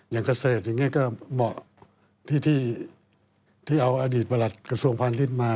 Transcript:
อย่างเกษตรอย่างนี้ก็เหมาะที่เอาอดีตประหลัดกระทรวงพาณิชย์มา